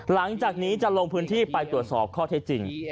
หลังจากนี้จะลงพื้นที่ไปตรวจสอบข้อเท็จจริง